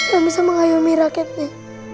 yang bisa mengayomi rakyatnya